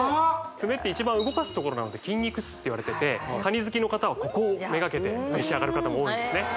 爪って一番動かすところなので筋肉質っていわれててカニ好きの方はここをめがけて召し上がる方も多いですね